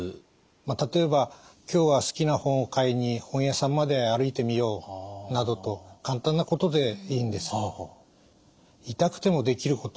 例えば今日は好きな本を買いに本屋さんまで歩いてみようなどと簡単なことでいいんです。